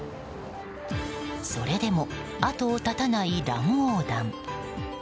それでも後を絶たない乱横断。